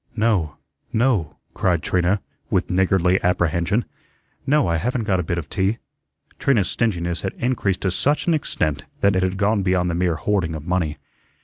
"No, no," cried Trina, with niggardly apprehension; "no, I haven't got a bit of tea." Trina's stinginess had increased to such an extent that it had gone beyond the mere hoarding of money.